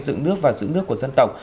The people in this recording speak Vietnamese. dựng nước và giữ nước của dân tộc